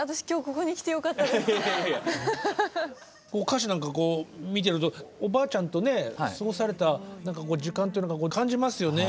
歌詞なんかこう見てるとおばあちゃんとね過ごされた時間っていうのが感じますよね。